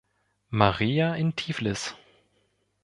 Maria in Tiflis.